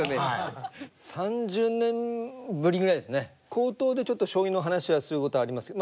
口頭でちょっと将棋の話はすることはありますけどま